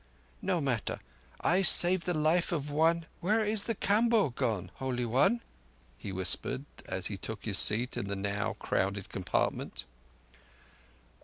No matter, I saved the life of one ... Where is the Kamboh gone, Holy One?" he whispered, as he took his seat in the now crowded compartment.